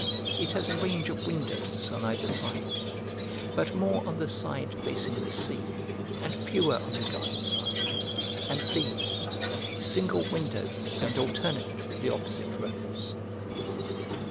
It has a range of windows on either side, but more on the side facing the sea, and fewer on the garden side, and these, single windows and alternate with the opposite rows.